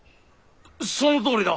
そのとおりだ。